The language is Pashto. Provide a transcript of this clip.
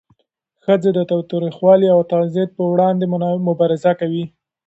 ښځې د تاوتریخوالي او تعذیب پر وړاندې مبارزه کوي.